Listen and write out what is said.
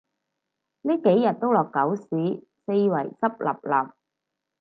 呢幾日都落狗屎，四圍濕 𣲷𣲷